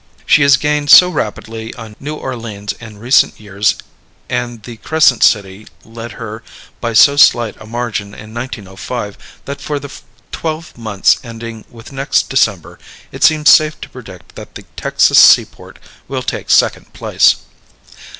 She has gained so rapidly on New Orleans in recent years, and the Crescent City led her by so slight a margin in 1905, that for the twelve months ending with next December it seems safe to predict that the Texas seaport will take second place.